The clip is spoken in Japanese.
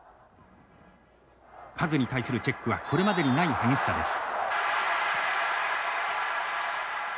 カズに対するチェックはこれまでにない激しさです。